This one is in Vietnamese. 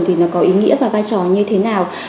thì nó có ý nghĩa và vai trò như thế nào